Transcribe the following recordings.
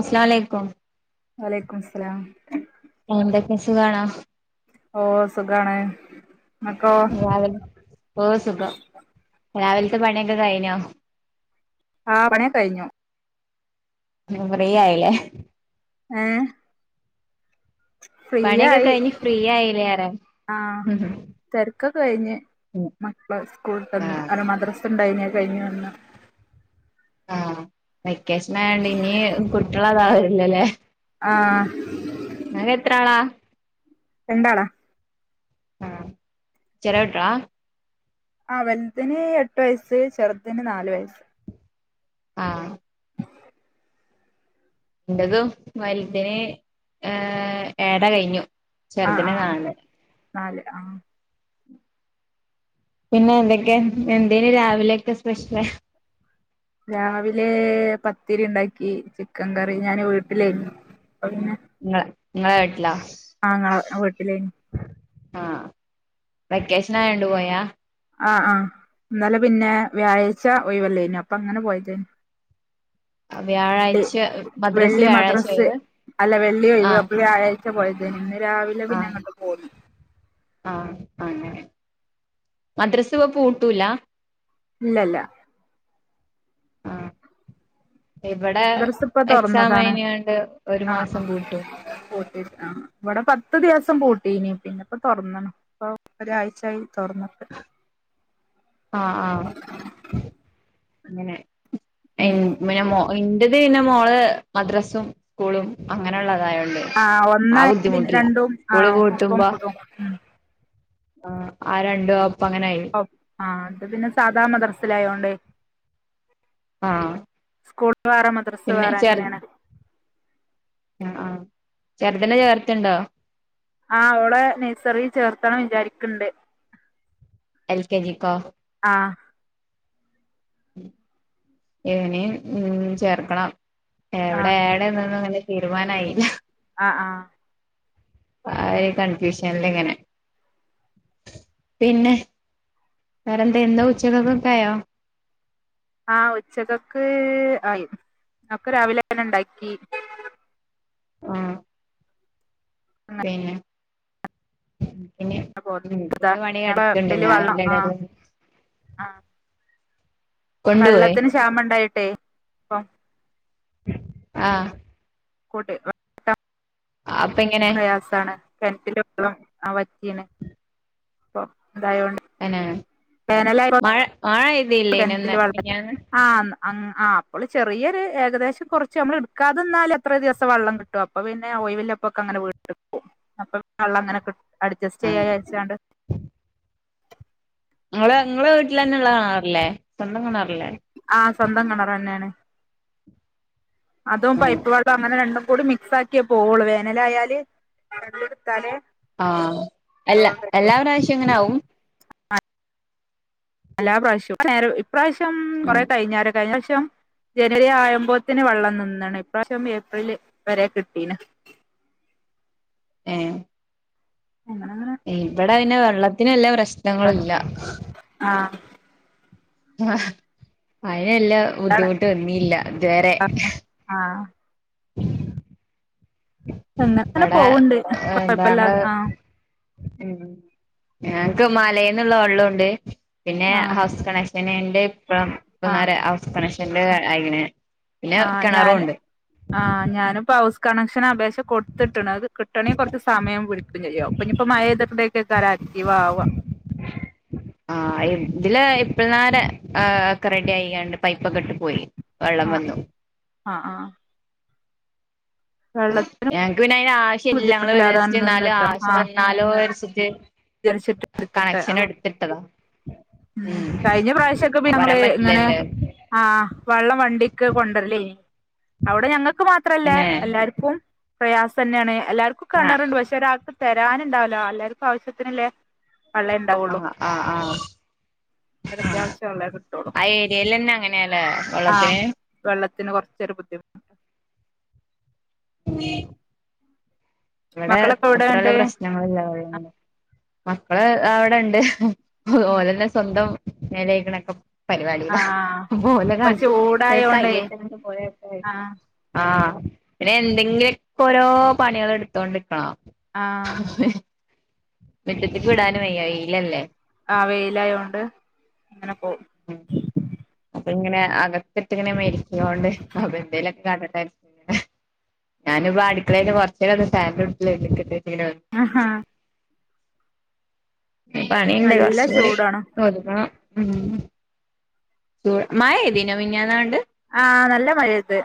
അസലാമുഅലൈക്കും അലൈക്കുമുസ്സലാം എൻന്തൊക്കെ സുഖാണോ ഓഹ് സുഖാണ് നിക്കോ? അഴക് ഓഹ് സുഖം രാവിലെത്തെ പണിഒക്കെ കഴിഞ്ഞോ? ആഹ് പണിക്കെ കഴിഞ്ഞു ഇനി ഫ്രീ ആയില്ലേ ഏഹ് ഫ്രീ പണിയൊക്കെ ആയി കഴിഞ്ഞ് ഫ്രീ ആയില്ലേ പറയാ ആഹ് തെരക്കൊക്കെ കഴിഞ്ഞ് മക്കള് സ്കൂളി തന്നെ ആഹ് അവര് മദറസ് ഉണ്ടായീനിഅത് കഴിഞ്ഞ് വന്ന് ആഹ് വെക്കേഷനായോണ്ട് ഇനി കുട്ടിളെ ക്ലാസ് ഇല്ലല്ലോ ആഹ് നിങ്ങെത്രാളാ? രണ്ടാളാ ആഹ് ചെറിയ കുട്ടികളാ ആഹ് വെൽതിന് എട്ട് വയസ്സ് ചെർതിന് നാല് വയസ്സ് ആഹ് ഇൻ്റതും വൽതിന് ഏഹ് ഏട കഴിഞ്ഞു അഹ് ചെറുതിന് ആഹ് നാല് നാല് ആഹ് പിന്നെ എന്തൊക്കെ എന്തേനി രാവിലേക്കെ സ്പെഷ്യല് രാവിലേ പത്തിരി ഇണ്ടാക്കി ചിക്കൻ കറി ഞാനേ വീട്ടിലേയിന്നു അപ്പം പിന്നെ ഇങ്ങളെ ഇങ്ങളെ വീട്ട്ലോ ആഹ് അങ്ങളെ വീട്ട്ലേയ്നു ആഹ് വെക്കേഷനായോണ്ട് പോയാ? ആഹ് ആഹ് ഇന്നലെ പിന്നെ വ്യാഴാഴ്ച്ച ഒഴിവെല്ലേനോ അപ്പ അങ്ങനെ പോയതേനു വ്യാഴാഴ്ച്ച മദ്രസ വെള്ളി വ്യാഴാഴ്ച്ചെ മദ്രസ് ഒഴിവ് അല്ല വെള്ളിയ ഒഴിവ് അപ്പ വ്യാഴാഴ്ച്ച പോയതേനു ഇന്ന് രാവിലെ ആഹ് പിന്നങ്ങട്ട് പോന്നു ആഹ് അങ്ങനെ മദ്രസ ഇപ്പ പൂട്ടൂലാ ഇല്ലല്ല ആഹ് ഇവടെ മദ്രസ ഇപ്പ എക്സാം തുറന്നതാണ് കഴ്ഞ്ഞാണ്ട് ഒരു മാസം പൂട്ടും അഹ് ഇവടെ പത്ത് ദിവസം പൂട്ടീനി പിന്നിപ്പം തൊർന്നണ് ഇപ്പം ഒരാഴ്ച്ചായി തൊർന്നട്ട് ആഹ് ആഹ് അങ്ങനെ ഉം എം [unintelligible] ഇന്റത് പിന്നെ മോള് മദ്രസും സ്കൂളും അങ്ങനെള്ളതായോണ്ട് ആഹ് ആ ഒന്നായ് പിന്നെ ബുദ്ധിമുട്ടില്ല രണ്ടും സ്കൂള് ആഹ് ഒപ്പും പൂട്ടുമ്പോ [unintelligible] ആഹ് ആ രണ്ടും ഒപ്പങ്ങനായ് ഒപ് ആഹ് അത് പിന്നെ സാദാ മദ്രസയിലായോണ്ടെ ആഹ് സ്കൂള് വേറെ മദ്രസ് പിന്നെ വേറെ അങ്ങനേണ് അഹ് ആഹ് ചെർതിനെ ചേർത്തിണ്ടോ ആഹ് ഓളെ നെയ്സറി ചേർത്തണം വിചാരി‌ക്കിണ്ട് എൽ കെ ജി ക്കോ ആഹ് ഇനീം ഉം ചേർക്കണം ആഹ് എവ്ടെ ഏടെ [unintelligible] തീരുമാനായില്ല അഹ് ആഹ് ആകെ കൺഫ്യൂഷനിലിങ്ങനെ പിന്നെ വേറെന്തെ എന്താ ഉച്ചക്കക്കത്തേയായോ ആഹ് ഉച്ചക്കക്ക് ആയി ഒക്കെ രാവിലെ തന്നെ എണ്ടാക്കി ആഹ് അങ്ങനെ പിന്നെ പിന്നെ പോന്നു ഇതാ എനിക്കിന്നെ പണി ഞങ്ങ എടുക്കണ്ട ഇതില് ഞാൻ വെള്ളം ആഹ് [unintelligible] ആഹ് കൊണ്ടുപോയി വള്ളത്തിന് ക്ഷാമെണ്ടായിട്ടെ ആഹ് കൂട്ട് അപ്പെങ്ങനെ പ്രയാസാണ് കിണറ്റിലെ വെള്ളം ആഹ് വറ്റീണ് അപ്പൊ ഇതായോണ്ട് [unintelligible] മഴ മഴ പെയ്തില്ലേ ഇന്ന് കെണറ്റിലെ വെള്ളം മിനിഞ്ഞാന്ന് ആഹ് അന്ന് അൻ ആഹ് അപ്പള് ചെറിയൊരു ഏകദേശം കൊറച്ച് നമ്മള് എടുക്കാതെന്നാല് എത്ര ദിവസം വെള്ളം കി കിട്ടും അപ്പൊ പിന്നെ ഒഴിവിലപ്പൊക്കെ അങ്ങനെ അപ്പ വള്ളങ്ങനെ അഡ്ജസ്റ്റ് ആ ചെയ്യാച്ചണ്ട് നിങ്ങള് നിങ്ങളെ വീട്ടിൽ തന്നെ ഉള്ള കിണറല്ലേ സ്വന്തം കിണറല്ലേ ആ സ്വന്തം കിണറ് തന്നെയാണ് അതും ഉം പൈപ്പ് വള്ളം അങ്ങനെ രണ്ടും കൂടി മിക്സ് ആക്കി ഒക്ക പോവോള് വേനല ആയാല് [unintelligible] എടുത്താലേ കൊണ്ടോവാൻ ആഹ്എല്ലാ പറ്റും എല്ലാ പ്രാവശ്യം ഇങ്ങനെ ആവും എല്ലാ പ്രാവശ്യം നേ ഇപ്രാവശ്യം കൊറെ കഴിഞ്ഞര കഴിഞ്ഞ പ്രാവശ്യം ജനുവരി ആയുമ്പോത്തിന് വെള്ളം നിന്നാണ് ഇപ്രാവശ്യം ഏപ്രില് വരെ കിട്ടീന ഏ അങ്ങനങ്ങനെ ഇവിടെ പിന്നെ വെള്ളത്തി ന് വല്ല അങ്ങനെ പ്രശ്നങ്ങളല്ല ആഹ് ആ അതിനെല്ലാം അതാണ് ബുദ്ധിമുട്ട്‌വന്നില്ല ഇതുവരെ ആഹ് ഉ എങ്ങനെ അങ്ങനെ പോവണ്ട് കൊഴപ്പില്ലാതെ ആഹ് ഉ ഞങ്ങക്ക് മലെന്ന് നിന്നുള്ള വെള്ളണ്ട് പിന്നെ ആഹ് ഹൗസ് കണക്ഷൻ പിന്നെ എന്റെ ഇപ്പം ആഹ് ഹൗസ് കണക്ഷന്റെആയിന ആഹ് ഞാന് ആഹ് ഞാനിപ്പോ ഹൗസ് കണക്ഷൻ അപേക്ഷ കൊടുത്തിട്ടണ് അത് കിട്ടണെങ്കിൽ കുറച്ച് സമയം പിടിക്കും ഞ്ഞ ഇപ്പോ മഴേതിക്കൊക്കെ ആക്റ്റീവാവുക [inaudible] ആ ഇതില് ഇപ്പോള നേര ഒക്കെ റെഡി ആയിണ്ട് പൈപ്പൊക്കെ ഇട്ട് പോയി വെള്ളം വന്നു ആഹ ആ വെള്ളത്തി ഞങ്ങക്ക് പിന്നെ അയിന് ആശ്യ ഇല്ല ങ്ങ ജസ്റ്റ് അങ്ങനെ എന്നാലും നിന്നിട്ടോ ആവശ്യ ആഹ് വന്നാലോ വരിച്ചിട്ട് ജനിച്ചിട്ട് എടുത്തിട്ട് ആ ഉം കഴിഞ്ഞ പ്രാവശ്യൊക്കെ ഇ ങ്ങള് പറയാൻ ഇങ്ങനെ പറ്റില്ലല്ലോ ആഹ്വെള്ളം വണ്ടിക്ക് കൊണ്ടരലേ അവിടെ ഞങ്ങൾക്ക് മാത്രല്ല പിന്നെ എല്ലാർക്കും പ്രയാസം തന്നെയാണ് എല്ലാവർക്കും ആ കിണറുണ്ട് പക്ഷെ ഒരാൾക്ക് തരാനുണ്ടാവല്ലോ എല്ലാവർക്കും ആവശ്യ ത്തിനുള്ള വെള്ളേ ഉണ്ടാവുള്ളൂ ആഹ് ആഹ് ആഹ ആഹ അത്യാവശ്യം വെള്ളേ കിട്ടുള്ളു ആ ഏരിയൽ തന്നെ അങ്ങനെയാല്ലേ വള്ളത്തിന് വെള്ളത്തിന് കൊറചൊരു ബുദ്ധിമുട്ട് ഇവിടെ മക്കളൊക്കെ അത്ര വല്ല എവിടെണ്ട് പ്രശ്ന ഞങ്ങളില്ലാതെ മക്കള് അവിടെ ഇണ്ട് ഓലെന്നെ സ്വന്തം മേല്ക ഴ് കണൊക്കെ പരിപാടിയിലാ ആഹ് ഓലെ കാ ഇപ്പൊ ചൂടായോണ്ടേ കൈയട്ടെപോയിനോക്കാൻ ആഹ് ആഹ് പിന്നെ എന്തെങ്കിലൊക്കെ ഓരോ പണി കൾ ഇടുത്തോണ്ടിരിക്കണം ആഹ് ഹി ഹി മുറ്റത്തിക്ക് വിടാനും വയ്യ വെയിലല്ലേ ആ വെയിലായോണ്ട് അങ്ങനെ പോവും ഉ അപ്പൊ ഇങ്ങനെ അകത്തിട്ട് ഇങ്ങനെ മെരിക്കൊണ്ട് അപ്പ എന്തേലൊക്കെ കാട്ടട്ടെ ഞാനിപ്പൊ അടുക്കളയിലയില് കുറചേരം ഫാനിന്റോട്ടില് ആഹാ പണിണ്ട് നല്ല കൊറച്ച് കൂടി ചൂടാണ് ഒതുക്കണം ഉം മഴ പെയ്ദിനോ മിഞ്ഞാന്നാണ്ട്? ആ നല്ല മഴ പെയ്ത്.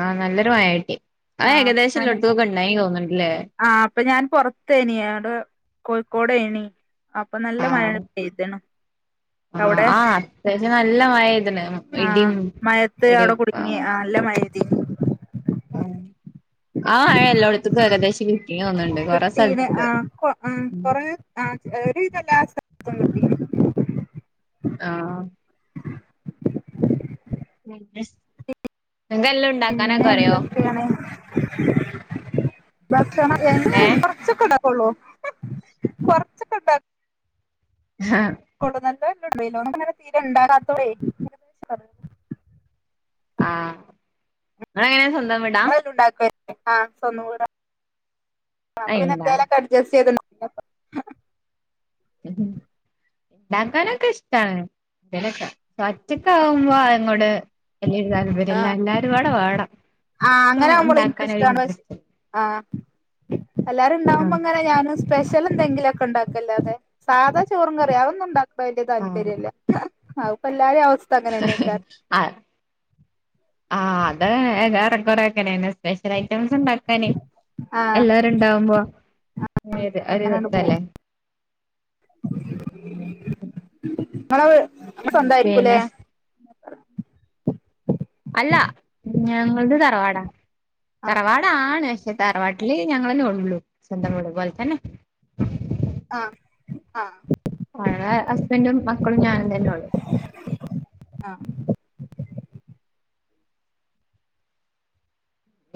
ആ നല്ലൊരു മഴ കിട്ടി അത് ഏകദേശം ല്ലോട്ടുത്തുക്കും ഉണ്ടായി നി തോന്ന്ണ്ട്ല്ലേ? ആ അപ്പൊ ഞാൻ പൊറത്തേനി അങ്ങട് കോഴിക്കോട് ഏനി. അപ്പൊ നല്ല മഴ ആഹ് പെയ്തിണ് ആഹ് അവിടെ ആഹ് അത്യാവശ്യം നല്ല മഴ പെയ്തിന് ആ ഇടിയും മയത്ത് ഇടിയും അവിടെ കുടുങ്ങി ആ നല്ല മഴയ്തീനി ആഹ് ആഹ് മഴ എല്ലോട്ത്തുക്കും പെയ്തിണ്ട് ശി കിട്ടീണ് ആ കൊ ആ ഉം കൊറെ ആ ഒരു വിധം എല്ലാ സ്ഥലത്തും കിട്ടി. ആ [unintelligible] പിന്നെ അറിയോ എന്തൊക്കെയാണ് ഭക്ഷണം. ഏഹ് കൊറചൊകെ ഇണ്ടാകൊള്ളൂ. [unintelligible] [unintelligible] ആഹ് ഇങ്ങളെങ്ങനെ സ്വന്തം വീ [unintelligible] അ സ്വന്തം വീടാണ് അപ്പ അയിണ്ടാ പിന്നെ [unintelligible] [unintelligible] ഉം ഉണ്ടാക്കാനൊക്കെ ഇഷ്ടാണ് എന്തേ ലൊക്കെ ഒറ്റക്കാ വുമ്പങ്ങട്. വല്യരു താല്പര്യല്ല ആഹ് എല്ലാരും പാടെ വാണം. ആഹ് അങ്ങനെ ആവുമ്പോ നിക്കു ഷ്ടാണ് ആ എല്ലാരും ആഹ് ഉണ്ടാവുമ്പോ ഇങ്ങനെ ഞാനും. സ്പെഷ്യൽ എന്തെങ്കിലും ഒക്കെ ഇണ്ടാക്കല്ലാതെ സാധാ ചോറും കറിയുംഅഒന്നും ഉണ്ടാക് ണ ത് വലിയ ആഹ് താല്പര്യംല്ല. ആ അത് പെല്ലാരി അവസ്ഥ അങ്ങനെ നാക്കാരും. ആ ആ അത് എറെകൊറെ അങ്ങനന്നെ. സ്പെഷ്യൽ ഐറ്റംസ് ഇണ്ടാക്കാന് ആഹ് എല്ലാരും ഇണ്ടാവുമ്പോ. ഏത് ഒരു അങ്ങനെണ്ട് ഇതല്ലേ? പോവും ഇങ്ങളെ വ് സ്വന്തായിരിക്കൂല്ലെ? പിന്നെ അല്ല ഞങ്ങള് തറവാടാ ആഹ് തറവാടാണ്. പക്ഷേ താറവാട്ടില് ഞങ്ങളന്നെ ഒള്ളൂ സ്വന്തം വീട് പോലെ തന്നെ. ആ ആഹ് ആ ഹസ്ബൻറും മക്കളും ഞാനും തന്നെ ഉള്ളു. ആഹ്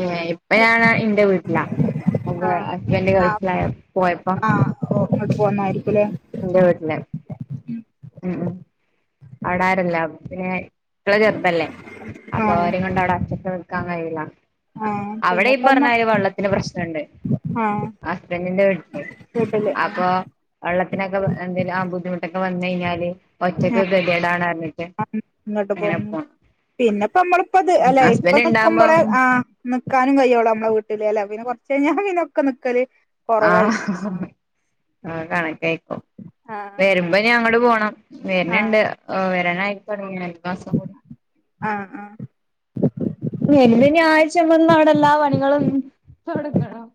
ഏ എപ്പ ഞാന് എന്റെ വീട്ടിലാ എന്റെ ആഹ് ഹസ്ബൻഡ് ഖൾഫിലായ പോയപ്പം. അപ്പൊ ഓ അങ്ങോട്ട് പോന്നായിരിക്കുംല്ലേ. ന്റെ വീട്ടില് ഉഉം അവിടാര്ല്ലഅപ്പൊ പിന്നെ. മക്കള് ചെറുതല്ലേ അപ്പൊ ആഹ് അവരിം കൊണ്ട് അവിടെ ചറ്റക് നിക്കാൻ കഴില്ല. ആഹ് അവിടെ ഇ പിന്നെപ്പമ്മ പറഞ്ഞമാരി വെള്ളത്തിന് പ്രശ്നണ്ട്. ആഹ് ഹസ്ബന്റിന്റെ വിട്ടില് വീട്ടില് അപ്പൊ. വെള്ളത്തിനൊക്കെ എന്തേങ്കിലും ആ ബുദ്ധിമുട്ടൊക്കെ വന് കയിഞ്ഞാല് ഒറ്റക് കേദ്യേ ടാണ്അർഞ്ഞിട്ട്. ഇന്ന്ട്ട് പോ പിന്നെപ്പോ നമ്മള് പ്പത് അല്ല ഇപ്പൊ ഹസ്ബൻഡ് ഇണ്ടാവുമ്പോ നീക്കുമ്പോള് ആ. ന്ക്കാനും കയ്യോള്ളൂ നമ്മടെ വീട്ടില് പിന്നെ കുറച്ചയ് ഞാ പിനെ ഒക്കെ നിക്കല്. ആ കൊറവായി ആ കണക്കായികും ആഹ് വരുമ്പോഞ്ഞി അങ്ങട് പോണം. ആഹ് വര്ന്ണ്ട് വരാനായിതൊടങ്ങി ക്ണ്‌ ഒര് മാസം കൂടി. ആ ആഹ് വെള്ളി ന്യ ആഴ്ച്ചമന്ന് അവിടെ എല്ലാ പണികളും കണം.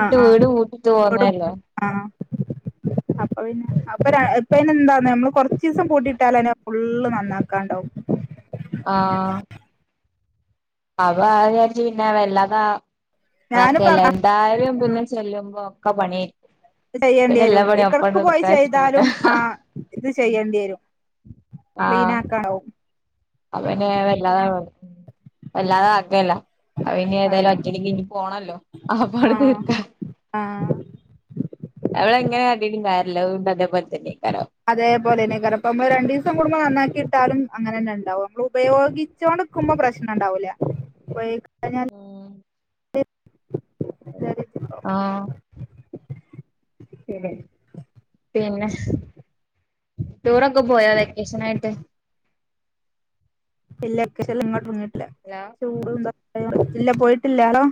ആ ആഹ് ട് ആ അപ്പ പിന്നെ അപ്പൊ ഇപ്പെ എന്താ നമ്മൾ കൊറച്ച [unintelligible] പൂട്ടയിട്ടാലന്നെ ഫുള് നന്നാക്കാണ്ടാവും. ആഹ. അപ്പ അഹ് ചാരിച് പിന്നെ വല്ലാതൊ [unintelligible] ഞാനിപ്പ എല്ലാരും ആഹ് പിന്നെ ചെല്ലുമ്പോ ഒക്കെ പണി. ചെയ്യേണ്ടി വരും എക്കടക്ക് പോയി വെച്ചിട്ട് പിന്നെ ചെയ്താലും ആ ഇത് ചെയ്യേണ്ടിരും. ക്ലീൻ ആകണവും. അപ്പൊ പിന്നെ വല്ലാതെ വല്ലാതെ ആക്കല്ലാ അപ്പ ഇനി ഏതായാലും ആഹ് ഒറ്റടിക്ക് ഇഞ്ഞി പോണല്ലോ ആപ്പട് ആഹ് തീർക. ആഹ് അവളെങ്ങനെ ആട്ടിട്ടുംകാര്യല്ല അതേ പോലെന്നെ കാരം. അതേപോലെന്നെ കാരം നമ്മള് രണ്ടിസം കൂടുമ്പോ നന്നാക്കി ഇട്ടാലും അങ്ങനെ തന്നെ ഉണ്ടാവും നമ്മൾ ഉപയോഗി ച്ചോണ്ട്ക്കുമ്പോ പ്രശ്നം ഉണ്ടാവൂല്ല ഉപയോഗിക്കാഞ്ഞാല് ഉം ആഹ. [unintelligible] പിന്നെ ടൂറൊക്കെ പോയോ വെക്കേഷൻ ആയിട്ട്. ഇല്ല വെക്കേഷൻ ഇങ്ങോട്ട് വന്നിട്ടില്ല. അലോ. [unintelligible] ല്ല പോയിട്ടില്ലല്ലോ.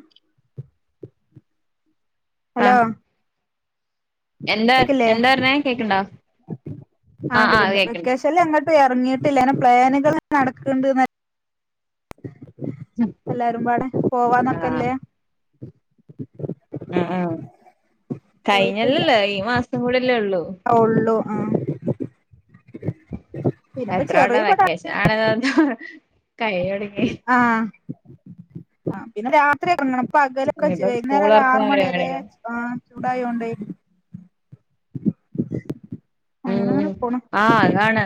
ഹലോ. ആഹ് എന്താ കേക്കില്ലേ എന്താ പറഞ്ഞേ കേക്കണ്ടോ ആ ആഹ് ആഹ് കേക്ക്ണ്ട് വെക്കേഷ കേക്കണ്ട് വെക്കേഷന്ല് എങ്ങട്ടും എറങ്ങിയിട്ടില്ല ഇങ്ങനെ പ്ലാനുകൾ നടക്ൻണ്ട്ന്നല്ലാതെ. എല്ലാരും പാടെ ആഹ് പോവാന്നൊക്കെല്ലേ. ആ ആഹ കഴിഞ്ഞല്ലല്ലേ ഈ മാസം കൂടെല്ലേ ഉള്ളൂ. ത്ര ഉള്ളൂ ആ. എത്ര വട്ടം ചെറിയ പട വെക്കേഷൻ ആണന്ന് പറഞ്ഞ് കൈഞൊടുങ്ങി. ആ അ. പിന്നെ രാത്രിയക്കെറങ്ങണം ഇ പകല്ക്കെ ഇനിയിപ്പോ വൈന്നേരം സ്കൂൾ ഒരു ആറ് തുറക്കുന്ന മണി വരെ പരിപാടികളാ ചൂടായോണ്ടെയ്. അങ്ങനെ അങ്ങനെ ഉം പോണ് ആഹ് അതാണ്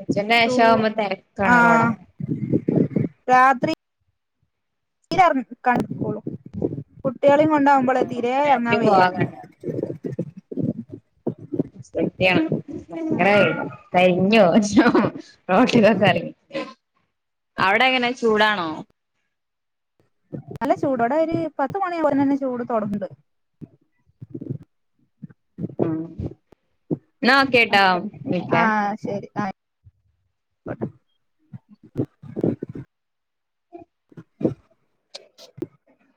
ഉച്ചന്റെ ശേഷം ആവുമ്പോ തെരക്കാണ് റോട രാത്രി. തീരെ കണ്ടോളൂ കുട്ട്യോളീം കൊണ്ടാകുമ്പളേ ആഹ് തീരെ എർങ്ങാൻ രാത്രി വയ്യ. പോവാൻ സത്യാണ് [unintelligible] കരിഞ്ഞോവും റോട്ടിലെക്കെറങ്ങിട്ട് അവിടെ എങ്ങനെ ചൂടാണോ? അല്ല ചൂടോടെ ഒര് പത്ത്‌ മണി ആവുമ്പത്തന്നെ ചൂട് തൊടങ്‌ണ്ട്. ഉം എന്നാ ഓകെ ട്ടോ ആഹ ശരി ആ.